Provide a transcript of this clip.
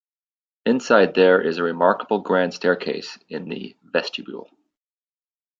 Inside there is a remarkable grand staircase in the vestibule.